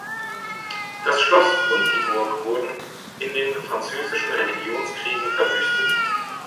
Das Schloss und die Burg wurden in den Französischen Religionskriegen verwüstet.